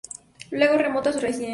Luego retorna a su residencia.